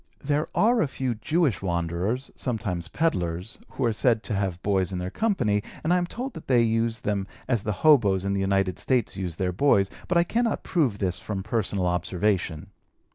There are a few Jewish wanderers (sometimes peddlers) who are said to have boys in their company, and I am told that they use them as the hoboes in the United States use their boys, but I cannot prove this from personal observation.